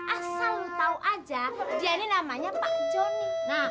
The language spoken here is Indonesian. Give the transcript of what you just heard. asal lo tau aja dia ini namanya pak joni